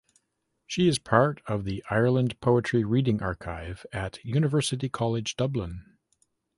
She is part of the Ireland Poetry Reading Archive at University College Dublin.